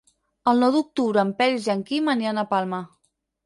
El nou d'octubre en Peris i en Quim aniran a Palma.